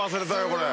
これ。